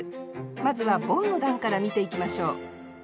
まずはボンの段から見ていきましょう